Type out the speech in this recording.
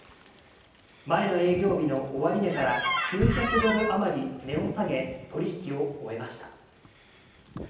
前の営業日の終値から９００ドル余り値を下げ、取り引きを終えました。